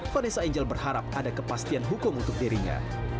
vanessa angel berharap ada kepastian hukum untuk dirinya